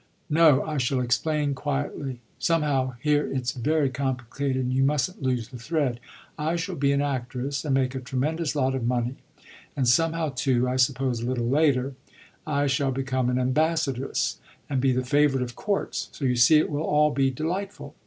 "No, I shall explain quietly. Somehow here it's very complicated and you mustn't lose the thread I shall be an actress and make a tremendous lot of money, and somehow too (I suppose a little later) I shall become an ambassadress and be the favourite of courts. So you see it will all be delightful.